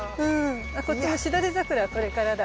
こっちのしだれ桜はこれからだ。